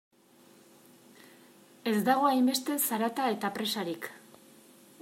Ez dago hainbeste zarata eta presarik.